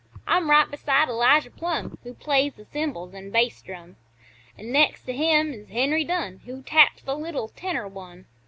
I'm right beside Elijah Plumb, Who plays th' cymbals an' bass drum; An' next to him is Henry Dunn, Who taps the little tenor one.